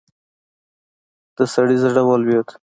د سړي زړه ولوېد.